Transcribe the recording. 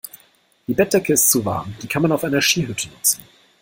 Die Bettdecke ist zu warm. Die kann man auf einer Skihütte nutzen.